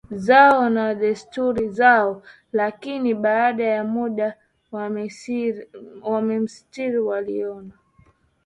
zao na desturi zao Lakini baada ya muda Wamisri waliona